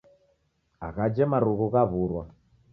Aghaje marughu ghawurwa